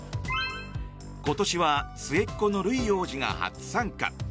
今年は末っ子のルイ王子が初参加。